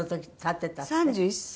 ３１歳。